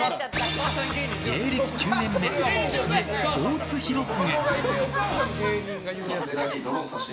芸歴９年目きつね、大津広次。